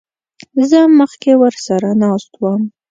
زه مخکې ورسره ناست وم.